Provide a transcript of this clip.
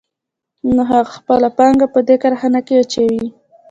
نو هغه خپله پانګه په دې کارخانه کې اچوي